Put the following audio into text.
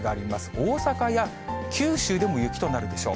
大阪や九州でも雪となるでしょう。